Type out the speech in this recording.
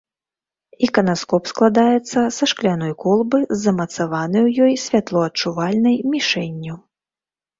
Іканаскоп складаецца са шкляной колбы з замацаванай у ёй святлоадчувальнай мішэнню.